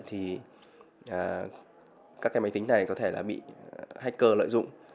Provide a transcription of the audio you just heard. thì các máy tính này có thể bị hacker lợi dụng